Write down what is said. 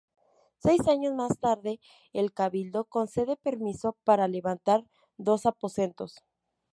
Seis años más tarde, el cabildo concede permiso para levantar dos aposentos.